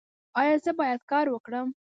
ایا زه باید کار وکړم؟